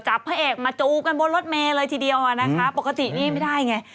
พระเอกมาจูกันบนรถเมย์เลยทีเดียวอ่ะนะคะปกตินี่ไม่ได้ไง